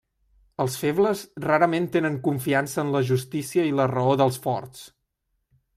Els febles rarament tenen confiança en la justícia i la raó dels forts.